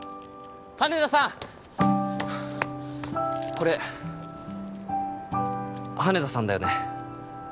これ羽田さんだよね？